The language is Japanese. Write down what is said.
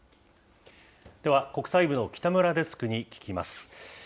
では国際部の北村デスクに聞きます。